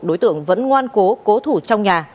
đối tượng vẫn ngoan cố cố thủ trong nhà